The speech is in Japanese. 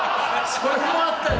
それもあったよ。